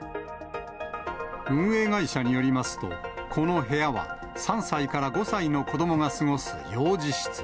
運営会社によりますと、この部屋は、３歳から５歳の子どもが過ごす幼児室。